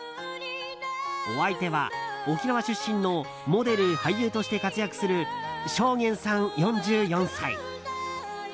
お相手は沖縄出身のモデル・俳優として活躍する尚玄さん、４４歳。